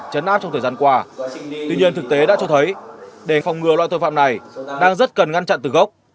chấn áp trong thời gian qua tuy nhiên thực tế đã cho thấy để phòng ngừa loại tội phạm này đang rất cần ngăn chặn từ gốc